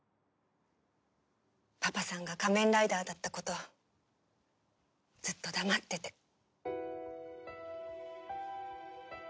パパさんが仮面ライダーだったことずっと黙ってて。